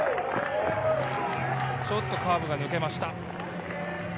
ちょっとカーブが抜けました。